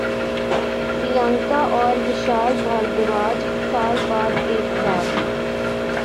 پریانکا اور وشال بھردواج سال بعد ایک ساتھ